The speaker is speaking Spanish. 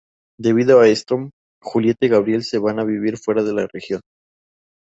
Debido a esto, Julieta y Gabriel se van a vivir fuera de la región.